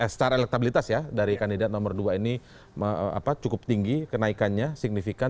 secara elektabilitas ya dari kandidat nomor dua ini cukup tinggi kenaikannya signifikan